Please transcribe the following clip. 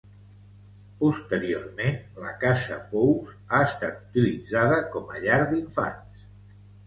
Posteriorment la Casa Pous ha estat utilitzada com a llar d'infants.